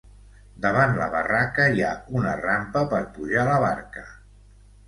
Davant la barraca hi ha una rampa per pujar la barca.